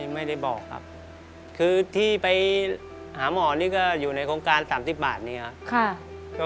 ไม่ได้บอกครับคือที่ไปหาหมอนี่ก็อยู่ในโครงการ๓๐บาทนี้ครับ